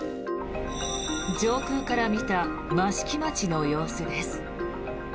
上空から見た益城町の様子です。